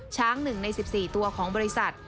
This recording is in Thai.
ช้างหนึ่งใน๑๔ตัวของบริษัท